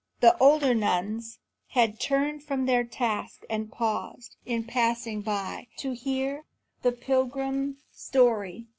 The older nuns had turned from their tasks and paused, in passing by, to hear the pilgrim's story.